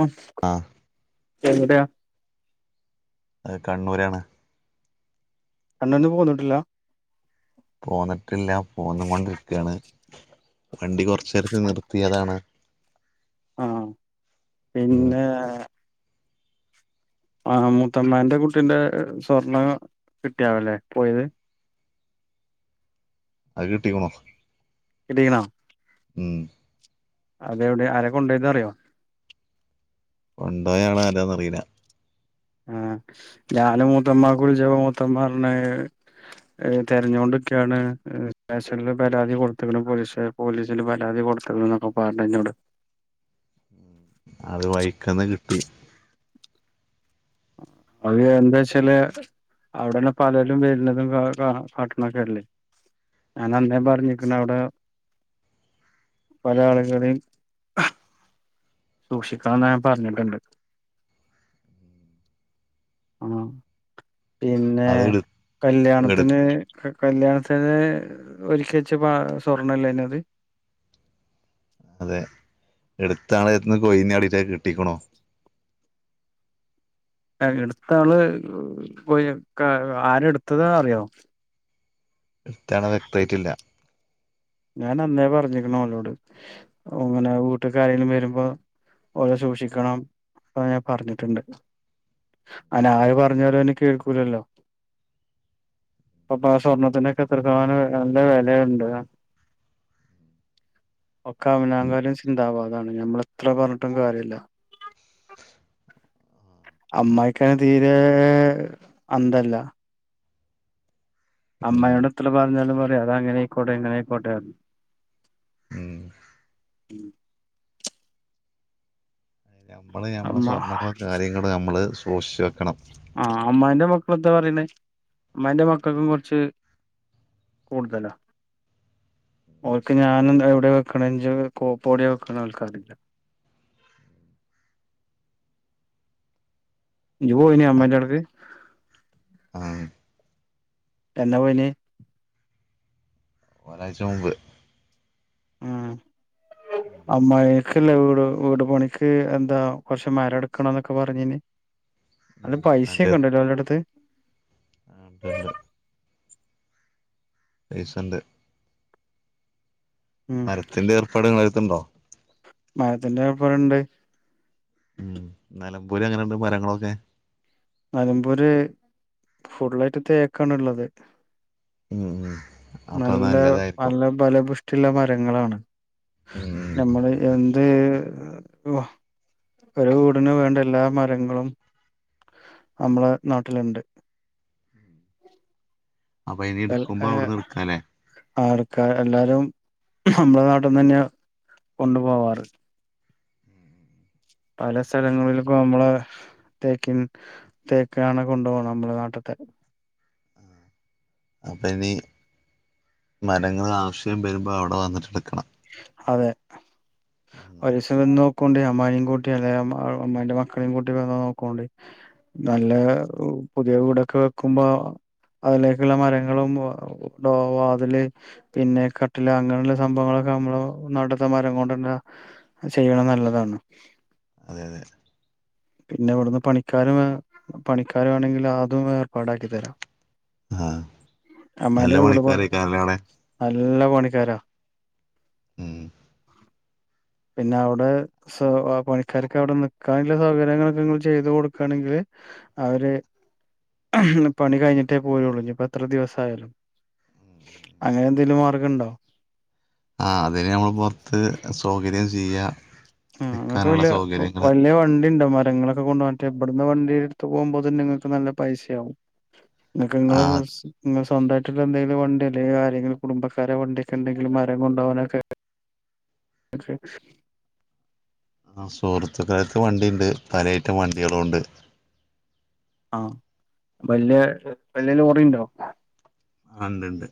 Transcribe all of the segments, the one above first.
ഉം ആഹ് ചോദിക്കട്ടെ അ തെകണ്ണൂരാണ് കണ്ണൂരുന്ന് പോന്നിട്ടില്ല പോന്നിട്ടില്ല പോന്ന് കൊണ്ടിരിക്കയാണ് വണ്ടി കുറച്ച് നേരത്തി നിർത്തിയ അതാണ് ആഹ് ഉം പിന്നെ ആ മൂത്തമാന്റെ കുട്ടീന്റെ സ്വർണം കിട്ടിയാവല്ലേ പോയത് അത് കിട്ടിക്കണോ കിട്ടിക്കണോ ഉം അതെവിടെ ആരൊ കൊണ്ടോന്ന് അറിയോ കൊണ്ടോയ ആള്ആരാന്ന് അറിയില ആ ഞാനും മൂത്തമ്മമാക്ക് വിളിച്ചപ്പോ മൂത്തമ്മ പറഞ്ഞെ തിരഞ്ഞുകൊണ്ടിക്കയാണ് സ്റ്റേഷില് പരാതി കൊടുത്തക്കണം പോലീസ് പോലീസിന് പരാതി കൊടുത്തത് എന്നൊക്കെ പറഞ്ഞ് എന്നോട് അത് വൈക്കന്ന് കിട്ടി അത് എന്താച്ചാല് അവിടെന്നെ പലരും വരുന്നതും കാട്ടണൊക്കെല്ലേ ഞാൻ അന്നേ പറഞ്ഞിരിക്കണ അവിടെ പല ആളുകളുടെയും സൂക്ഷിക്കാന്ന് ഞാൻ പറഞ്ഞിട്ടുണ്ട് ആ പിന്നെ അത് എടു എടു കല്യാണത്തിന് കല്യാണത്തിന് ഒരിക്ക വച്ച സ്വർണ്ണല്ലേ അത് അതെ എടുത്താളെന്ന് കൊയിന്ന് ചാടിട് കിട്ടിക്കണു എടുത്ത ആള് കൊയിആര്എടുത്ത ന്ന് അറിയോ എടുത്താളെ വ്യക്തമായിട്ടില്ല ഞാൻ അന്നേ പറഞ്ഞിരിക്കണ അവളോട് അങ്ങനെ വീട്ടക്കാരെങ്കിലും വരുമ്പോ ഓരെ സൂക്ഷിക്കണം എന്ന ഞാൻ പറഞ്ഞിട്ടുണ്ട് അന ആര് പറഞ്ഞാലോ എന്നെ കേൾക്കൂലല്ലോ അപ്പ ആ സ്വർണ്ണത്തിനൊക്കെ എത്ര ശതമാനം നല്ല വിലയുണ്ട് ഒക്കെ അവനാകാലും ചിന്താവാദാണ് ഞമ്മൾ എത്ര പറഞ്ഞിട്ടും കാര്യല്ല അമ്മായിക്കെ തീരെ അന്തല്ല ഉം അമ്മയുടെ എത്ര പറഞ്ഞാലും പറയാഅത അങ്ങനെ ആയിക്കോട്ടെ എങ്ങനെയിക്കോട്ടെ ഉം ഉം നമ്മൾ നമ്മുടെ അമ്മ സ്വർണ്ണങ്ങളും കാര്യങ്ങളും നമ്മൾ സൂക്ഷിച്ചച്ച് വെക്കണം ആഹ് അമ്മായിന്റെ മക്കള എന്താ പറയണേ അമ്മായിന്റെ മക്കൾക്കും കുറച്ച് കൂടുതല ഓക്ക് ഞാൻ എവിടെ വെക്കണ കോപ്പോടിയ വെക്കണെന്ന് അവൾക്കറില്ല ഇനിപോയില്ലെ അമ്മൻന്റെടക്ക് ആഹ് എന്ന പോയിനെ ഒരാഴ്ചമുമ്പ് ആഹ് അമ്മായിക്കല്ലെ വീട് വീട് പണിക്ക് എന്താ കോറച്ച് മരം എടുക്കണ എന്നോക്കെ പറഞീന് ഉം നല്ല പൈസ ഒക്കെ ഉണ്ടല്ലോ ഒലെടുത്ത് ഉം ഉണ്ട് പൈസണ്ട് ഉം മരത്തിന്റെ ഏർപ്പാട് ഇങ്ങെളെട്ത്തുണ്ടോ മരത്തിന്റെ ഏർപ്പാട്ണ്ട് മ്മ് നെലമ്പൂര് എങ്ങനെണ്ട് മരങ്ങളോക്കെ നലമ്പൂര് ഫുള്ളായിട്ട് തെക്കാണ്ള്ളത് ഉം ഉം അപ്പൊ നല്ല നല്ലതായിരിക്കും നല്ലത് ബലബുഷ്ട്ടിള്ള മരങ്ങളാണ് ഉം നമ്മൾ എന്ത് ഒരു വീടിന് വെണ്ട എല്ലാ മരങ്ങളും അമ്മളെ നാട്ടില്ണ്ട് അപ്പൊ ഇനി എടുക്കുമ്പോ വെലക്കെ അവിടുന്ന് എടുക്കാല്ലേ ആൾക്കാര് എല്ലാരും നമ്മളെ നാട്ട്ന്നന്നെയാ കോണ്ടു പോവാറ് പല സ്ഥലങ്ങളിൽക്കും നമ്മളെ തെക്കിൻ ത്തേക്കാണ് കോണ്ട് പോണെ നമ്മളെ ന്നാട്ട്ത്തെ അപ്പ ഇനി മരങ്ങൾ ആവശ്യം വരുമ്പോ അവിടെ വന്നിട്ട് എടുക്കണം അതെ ഉം പൈസ ഒന്നും അമ്മായിനയും കൂട്ടി അല്ലെ അമ്മായിന്റെ മക്കളെയും കൂട്ടി വന്ന് നോക്കോണ്ടി നല്ല പുതിയ വീടോക്കെ വെക്കുമ്പോ അതിലെക്കുള്ള മരങ്ങളും ഒ ടോ വാതില് പിന്നെ കട്ടില അങ്ങനെയുള്ള സംഭവങ്ങളോ ക്കെ നമ്മള നാട്ട്ത്തെ മരം കോണ്ടന്നെ ചെയ്യണെ നല്ലതാണ് അതെ അതെ പിന്നെ ഇവിടുന്ന് പണിക്കാരെ വെ പണിക്കാര വെണെങ്കിൽ അതും ഏർപ്പാടാക്കി തരാം ആഹ് നല്ല അമ്മായിന്റെ വീട് പ പണിക്കാരേക്കാരല്ലേ അവിടെ നല്ല പണിക്കാരാ ഉം പിന്നെ അവ്ടെ സ പണിക്കാര്ക്ക അവിടെ നിക്കാൻള്ള സൗകര്യങ്ങളോക്കെ നിങ്ങെൾ ചെയ്തു കോടുക്കാണെങ്കിൽ അവര് പണി കഴിഞ്ഞിട്ടെ പോരുള്ളൂ ഇനി ഇപ്പോ എത്ര ദിവസയാലും അങ്ങനെന്തെലും മാർഗ ണ്ടോ ആഹ് അതിന് നമ്മൾ പോർത്ത് സൗകര്യം ചെയ്യ ആഹ് ഇങ്ങെൾക്ക് വല്ല്യ വല്ല്യ വണ്ടിണ്ടോ മരങ്ങളോ ക്കെ കോണ്ടാവാൻ ഇവട്ന്ന് വണ്ടിടുത്ത് പോകുമ്പോ നിങ്ങൾക്ക് നല്ല പൈസയാവും ഇങ്ങെക്ക് ഇങ്ങെളെ ആഹ് കാശ് ഇങ്ങേൾ സ്വന്തായിട്ടുള്ളന്തെലും വണ്ടി അല്ലെ കാര്യങ്ങൾ കുടുംബക്കാരെ വണ്ടിയോക്കെണ്ടെങ്കിൽ മരം കോണ്ടോവാനോക്കെ ഒക്കെ അഹ് സുഹൃത്തുക്കാര്ക്ക് വണ്ടിണ്ട് പലയിറ്റം വണ്ടികളും ഉണ്ട് ആഹ് വല്ല്യ വല്ല്യ ലോറിണ്ടോ ആഹ് ണ്ട് ണ്ട്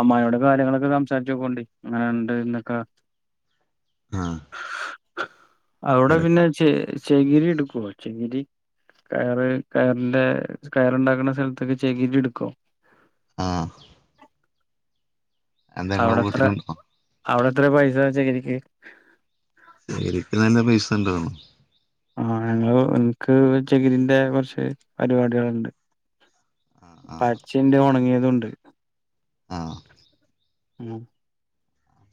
അമ്മായിയോട് കാര്യങ്ങളോക്കെ സംസാരിച്ച് നോക്കോണ്ടി ഇങ്ങനെ ഇണ്ട്ന്നോക്ക ആഹ് അവ്ട പല പിന്നെ ചെ ചെകിരി എടുക്കോ ചെകിരി കയറ് കയർന്റെ കയറുണ്ടാക്കുന്ന സ്ഥലത്ത്ക്ക് ചെകിരി എടുക്കോ ആഹ് എന്താ ഇങ്ങളെ അവ്ടെത്രെ വീട്ടിലുണ്ടോ അവിടെ എത്ര പൈസ ചെകിരിക്ക് ചകിരിക്ക് നല്ല പൈസ ഉണ്ടാവും ആഹ് ഞങ്ങള് നിക്ക് ചകിരിന്റെ കോറച്ച് പരിപാടികള്ണ്ട് ആഹ് ആഹ് പച്ചഇണ്ട് ഉണങ്ങിയ തുണ്ട് ആഹ് മം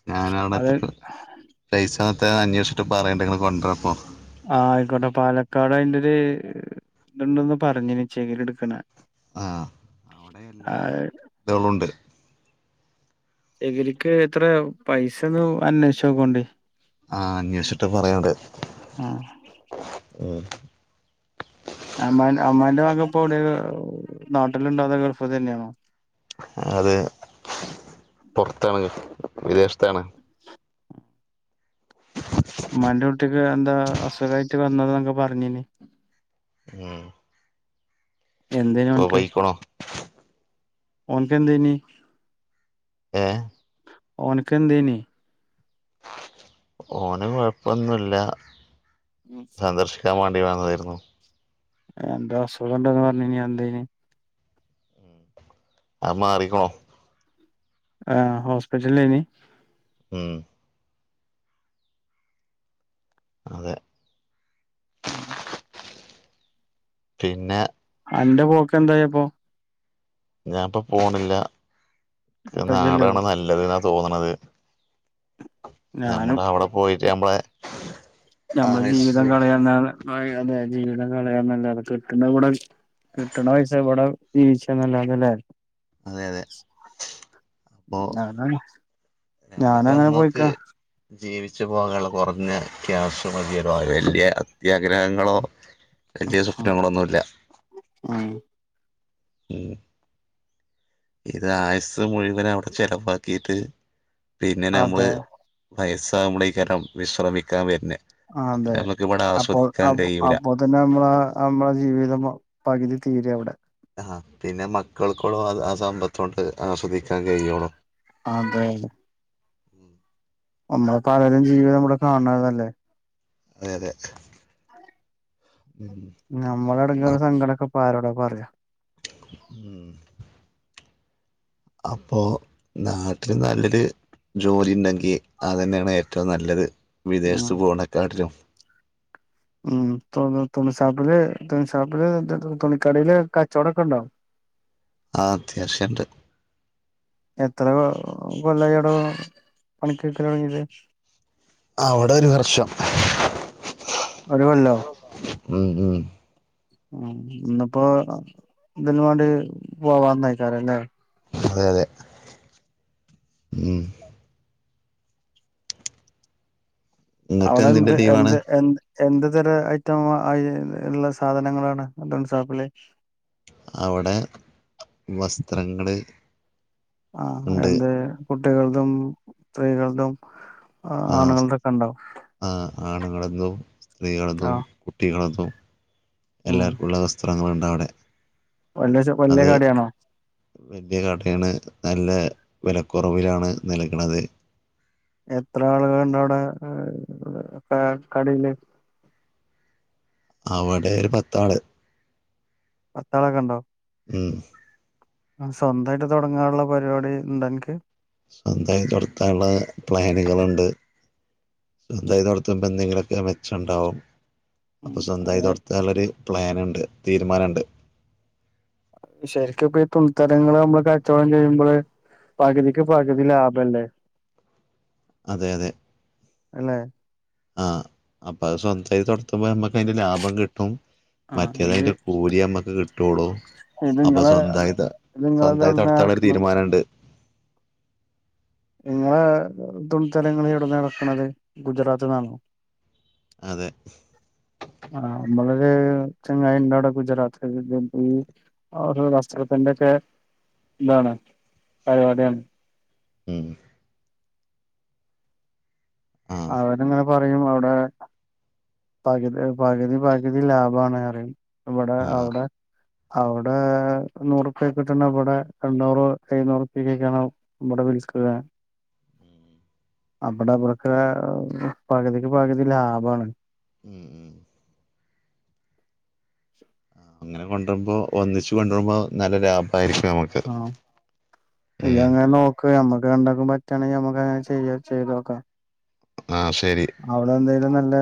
ഞാൻ അവിടെ എത്തട്ട് പൈസത്തെ അന്വേഷിച്ചിട്ട് പറയണ്ട് ങ്ങൾ കൊണ്ട്രപ്പോ ആഹ് ആയിക്കോട്ടെ പാലക്കാട് അയിന്റെരു ഇതുണ്ടന്ന് പറഞ്ഞിനി ചകിരി എടുക്കണ ആഹ് അവിടെ എല്ലാ ആഹ് ഇതള്ളൊണ്ട് ചഗിരിക്ക് എത്ര പൈസ ഒന്ന് അന്വേഷിച്ചോക്കണ്ടി ആഹ് അന്വേഷിച്ചിട്ട് പറയണ്ട് ആഹ് അമ്മാ അമ്മാന്റെ മകൻ പ്പോ വിടെ നാട്ടില് ണ്ടോ അതോ ഗൾഫ് തന്നെയാണോ അതെ പുറത്താണ് വിദേശത്താണ് ഉമ്മാന്റെ കുട്ടിക്ക് എന്താ അസുഖയിട്ട് വന്നതാ ന്നൊക്കെ പറഞ്ഞീനി മം എന്തേന് ഒൻക് പോയിക്കണോ ഓന്ക്ക് എന്തേനി ഏഹ് ഓൻക്ക് എന്തേനി ഓന് കൊഴപ്പൊന്നുല്ല മം സന്ദർശിക്കാൻ വേണ്ടി വന്നതായിരുന്നു എന്താ അസുഖംണ്ടന്ന് പറഞ്ഞിനി എന്തേയിനി അത് മാറിക്കുണു ആഹ് ഹോസ്പിറ്റലേനി മഹ് അതെ പിന്നെ അന്റെ പോക് എന്തായ പ്പൊ ഞാൻ പ്പൊ പോണില്ല അപ്പൊ ഇജ്ജല്ലേ നാടാണ് നല്ലത് ന്നാ തോന്ണത് ഞാനും നമ്മള് അവിടെ പോയിട്ട് നമ്മള നമ്മൾ ജീവിതം കളയാനല്ലാതെ അതെ ജീവിതം കളയന്നല്ലാതെ കിട്ട്ണ ഇവടെ കിട്ടണ പൈസ ഇവിടെ ജീവിച്ചന്നല്ലാത ല്ലേ അതെ അതെ അപ്പൊ ഞാന ഞാനും ഞമ്മക്ക് അങ്ങനെ പോയിക്ക അന്നോക്ക് ജീവിച്ചു പോകാനുള്ള കൊറഞ്ഞ ക്യാശ് മതിയല്ലോ വലിയ അത്യാഗ്രഹങ്ങളോ വലിയ ആഹ് സ്വപ്നങ്ങളൊന്നുമില്ല ആഹ് മം ഇത് ആയുസ് മുഴുവൻ അവിടെ ചെലവാക്കിയിട്ട് പിന്നെ നമ്മള് അതെ വയസ്സാവുമ്പളേക്കാരം വിശ്രമിക്കാൻ വരുണെ ആഹ് അതെ അപ്പോ അപ്പോ കഴിയൂല അപ്പോ അതന്നെ നമ്മള നമ്മളെ ജീവിതം പകുതി തീര അവിടെ ആഹ് പിന്നെ മക്കൾക്കോള്ളൂ അ ആ സമ്പത്തൊണ്ട് ആസ്വദിക്കാൻ കഴിയുള്ളു അതെ അതെ നമ്മൾ പലരും ജീവിതം ഇവടെ കാണതല്ലേ അതെ അതെ നമ്മള എടങ്ങേറ് സങ്കടക്കെ ഇപ്പ ആരോടാ പറയാ മം അപ്പോ നാട്ടിൽ നല്ലൊരു അപ്പൊ നാട്ടിൽ നല്ലൊരു ജോലി ഉണ്ടെങ്കിഅത് അതന്നെണ് ഏറ്റവും നല്ലത് ഉം വിദേശത്ത് പോണക്കാട്ടിലും ഉം തുണിശാപ്പില് തുണിശാപ്പില് തുണിക്കടയില് കച്ചോടൊക്കെ ഉണ്ടോ ആഹ് അത്യാവശ്യണ്ട് എത്ര കൊല്ലായി അടെ പണിക്ക് നിക്കല് തൊടങ്ങീട്ട് അവിടെ ഒരു വർഷം ഒരു കൊല്ലോ ഉം ഉം ഉം ഇന്നിപ്പോ ഇതിന് വാണ്ടി പോവാന്നയ്ക്കാരം ലെ അതെ അതെ ഉം നിങ്ങൾക്ക് അഒടെ ന്ത് എന്തിന്റെ ലീവാണ് എന്ത് എ എന്ത് തരം ഐറ്റം ള്ള സാധനങ്ങളാണ് തുണ്സാപ്പില്? അവടെ വസ്ത്രങ്ങള് ആഹ് ഉണ്ട് എന്ത് കുട്ടികൾതും സ്ത്രീകൾതും ആഹ് ആണുങ്ങൾതക്കെണ്ടാ? ആഹ് ആണുങ്ങൾതും സ്ത്രീകൾതും ആ കുട്ടികൾതും ഉം എല്ലാർക്കുള്ള വസ്ത്രങ്ങളുണ്ട് അവടെ. വല്യച്ച വല്യ കടയാണോ? വല്യ കടയാണ് നല്ല വെലക്കൊറവിലാണ് നൽക്ണത്. എത്ര ആളുകളണ്ടവടെ ക കടയില്? അവടെ ഒരു പത്താള് പത്താളൊക്കെണ്ടോ? ഉം സ്വന്തായിട്ട് തൊടങ്ങാള്ള പരിപാടിണ്ടോ അൻക്ക്? സ്വന്തായി തൊടത്താനുള്ള പ്ലാന്കള്ണ്ട്. സ്വന്തായി തൊട്ത്തുമ്പോ എന്തെങ്കിലക്കെ മെച്ചണ്ടാവും. ഉം അപ്പ സ്വന്തായി അങ്ങനെ തൊട്ത്താള്ളൊരു പ്ലാൻണ്ട് തീരുമാനണ്ട്. ശരിക്കുംപ്പ ഈ തുണത്തരങ്ങള് മ്മള് കച്ചോടം ചെയ്യുമ്പള് പകുതിക്ക് പകുതി ലാഭല്ലേ അതെ അതെ എല്ലേ? ആഹ് അപ്പ അത് സ്വന്തായി തൊട്ത്തുമ്പോ നമ്മക്ക് അയിന്റെ ലാഭം കിട്ടും. ആഹ് മറ്റേത് ഇത് അയിന്റെ കൂലി നമ്മക്ക് കിട്ടൊളൂ ഇത് അപ്പൊ നിങ്ങളെ സ്വന്തായി ത ഇത് നിങ്ങളത് സ്വന്തായി എവിടുന്നാ തൊട്ത്താള്ള ഒരു ഇറക്കണത് തീരുമാനണ്ട്. ങ്ങളെ തുണിത്തരങ്ങള് എവിടെന്ന എറക്ക്ണത് ഗുജറാത്ത്ന്നാണോ? അതെ ആഹ് ഞമ്മളൊര് ചങ്ങായിണ്ടടെ ഗുജറാത്ത്ല് ഈ ഓരോ വസ്ത്രത്തിന്റെക്കെ താണ് പരിപാടിയാണ്. ഉം ആഹ് അവന്ങ്ങനെ പറയും അഒടെ പകുതി പകുതി പകുതി ലാഭാണ് റിം ഇവടെ ആഹ് അഒടെ അഒടെ നൂറുപ്യക്ക് കിട്ട്ണത് ഇവടെ എണ്ണൂറ് എഴുന്നൂറുപ്യക്കെക്കണ്. ഇബടെ വിൽക്ക്ണേ അബടെ ഇവടെ പകുതിക്ക് പകുതി ലാഭാണ്. ഉം ഉം ആഹ് അങ്ങനെ കൊണ്ടരുമ്പോ ഒന്നിച്ചു കൊണ്ടരുമ്പോ നല്ല ലാഭായിരിക്കും നമ്മക്ക്. ആഹ് ഇജങ്ങനെ നോക്ക് ഞമ്മക്ക് രണ്ടാക്കും പറ്റാണെങ്കി ഞമ്മക്കങ്ങനെ ചെയ്യ ചെയ്തോക്കാം. ആഹ് ശരി അഒടെ എന്തെലും നല്ല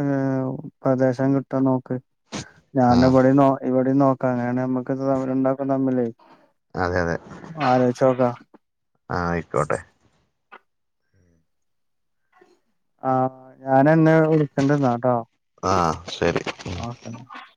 ഏഹ് പ്രദേശം കിട്ടോ നോക്ക്? ഞാന് ആഹ് ഇവടിം നോ ഇവടിം നോക്കാ അങ്ങെനെണെ നമ്മക്ക് രണ്ടാക്കും തമ്മില്. അതെ അതെ ആഹ് അയ്ക്കോട്ടെ. ആഹ് ഞാനന്നെ വിളിക്കണ്ട് ന്നാട്ടോ? ആഹ് ശരി [inaudible]